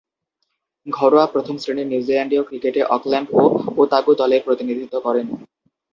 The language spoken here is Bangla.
ঘরোয়া প্রথম-শ্রেণীর নিউজিল্যান্ডীয় ক্রিকেটে অকল্যান্ড ও ওতাগো দলের প্রতিনিধিত্ব করেন।